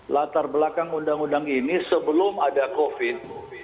latar belakang undang undang ini sebelum ada covid